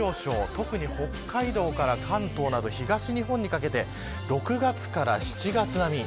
特に北海道から関東など東日本にかけて６月から７月並み。